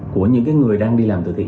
của những người đang đi làm từ thiện